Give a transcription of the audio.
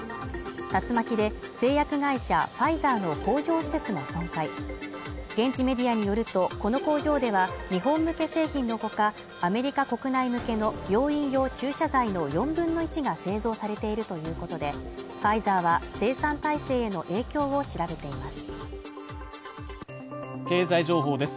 竜巻で製薬会社ファイザーの工場施設も損壊現地メディアによると、この工場では日本向け製品の他、アメリカ国内向けの病院用注射剤の４分の１が製造されているということで、ファイザーは生産体制への影響を調べています